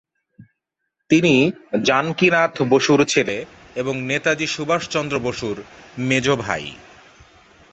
তিনি জানকীনাথ বসুর ছেলে এবং নেতাজী সুভাষ চন্দ্র বসুর মেজ ভাই।